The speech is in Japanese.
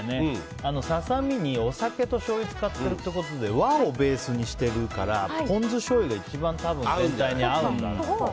ササミにお酒としょうゆを使ってるってことで和をベースにしてるからポン酢しょうゆが一番、全体に合うだろうと。